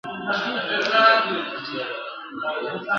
پر خره سپرېدل یو شرم، ځني کښته کېدل یې بل شرم ..